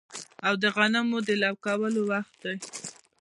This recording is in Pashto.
او د غنمو د لو کولو وخت دی